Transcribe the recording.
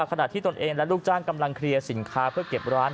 ขณะที่ตนเองและลูกจ้างกำลังเคลียร์สินค้าเพื่อเก็บร้าน